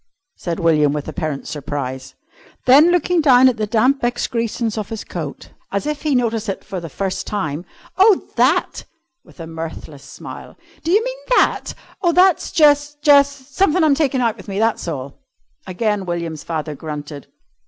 said William with apparent surprise. Then, looking down at the damp excrescence of his coat, as if he noticed it for the first time, "Oh, that!" with a mirthless smile. "Do you mean that? Oh, that's jus' jus' somethin' I'm takin' out with me, that's all." Again William's father grunted.